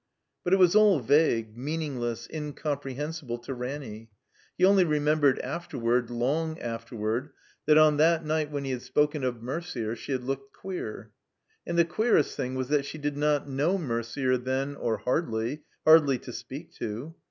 But it was all vague, meaningless, incompre hensible to Ranny. He only remembered after ward, long afterward, that on that night when he had spoken of Mercier she had "looked queer." And the queerest thing was that she did not know Mercier then, or hardly; hardly to speak to.